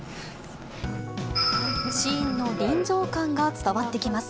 シーンの臨場感が伝わってきます。